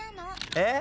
えっ⁉